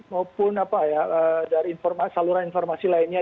maupun dari saluran informasi lainnya